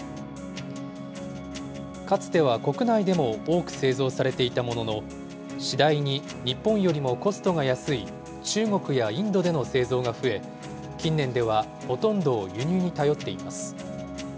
かつては国内でも多く製造されていたものの、次第に日本よりもコストが安い、中国やインドでの製造が増え、近年ではほとんどを輸入に頼っています。